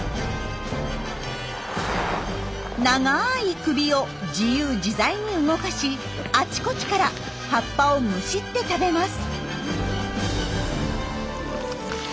長い首を自由自在に動かしあちこちから葉っぱをむしって食べます。